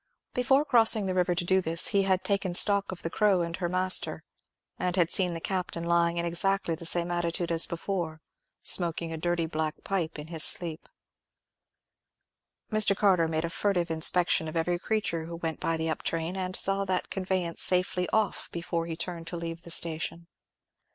Before crossing the river to do this, he had taken stock of the Crow and her master, and had seen the captain lying in exactly the same attitude as before, smoking a dirty black pipe in his sleep. Mr. Carter made a furtive inspection of every creature who went by the up train, and saw that conveyance safely off before he turned to leave the station.